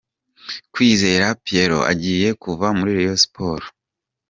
Kwizera Pierrot agiye kuva muri Rayon Sports.